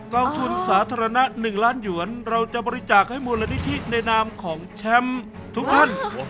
กองทุนสาธารณะ๑ล้านหยวนเราจะบริจาคให้มูลนิธิในนามของแชมป์ทุกท่าน